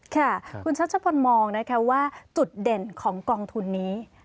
คุณชัชพลมองว่าจุดเด่นของกองทุนนี้